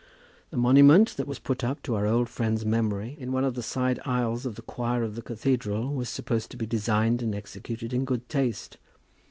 The monument that was put up to our old friend's memory in one of the side aisles of the choir of the cathedral was supposed to be designed and executed in good taste.